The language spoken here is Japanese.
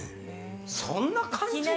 そんな感じなん？